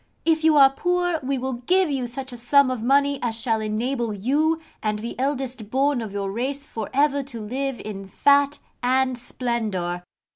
If you are poor, we will give you such a sum of money as shall enable you and the eldest born of your race for ever to live in fat and splendour.